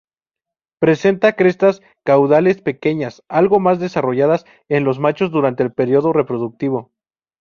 Presenta crestas caudales pequeñas, algo más desarrolladas en los machos durante el periodo reproductivo.